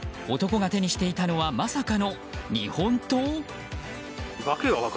男が手にしていたのはまさかの日本刀？